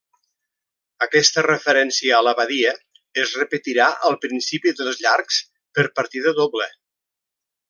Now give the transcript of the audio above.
Aquesta referència a l'abadia es repetirà al principi dels llargs per partida doble.